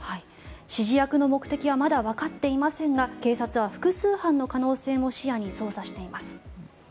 指示役の目的はまだわかっていませんが警察は複数犯の可能性も視野に捜査しています。